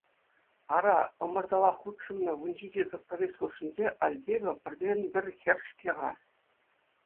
Ара, ӑмӑртӑва хутшӑннӑ вунҫичӗ тракторист хушшинче Альдеева пӗртен-пӗр хӗр-ҫке-ха!